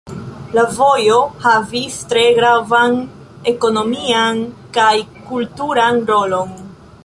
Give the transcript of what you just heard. La vojo havis tre gravan ekonomian kaj kulturan rolon.